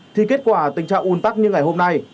thì kết quả tình trạng ùn tắc như ngày hôm nay